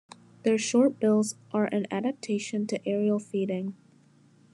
Their short bills are an adaptation to aerial feeding.